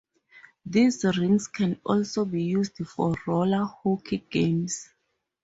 These rinks can also be used for roller hockey games.